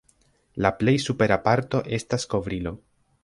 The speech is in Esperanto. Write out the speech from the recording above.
La plej supera parto estas kovrilo.